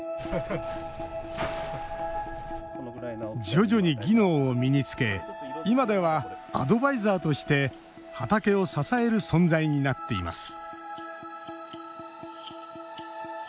徐々に技能を身につけ今ではアドバイザーとして畑を支える存在になっています